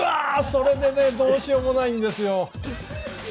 それでねどうしようもないんですよ。